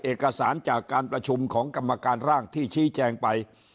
เอกสารจากการประชุมของกรรมการร่างที่ชี้แจงไป